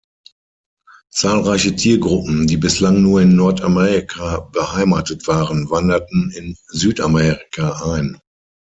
Zahlreiche Tiergruppen, die bislang nur in Nordamerika beheimatet waren, wanderten in Südamerika ein.